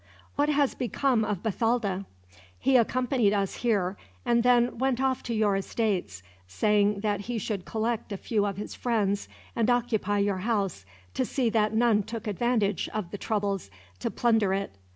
"What has become of Bathalda?" "He accompanied us here, and then went off to your estates; saying that he should collect a few of his friends and occupy your house, to see that none took advantage of the troubles to plunder it.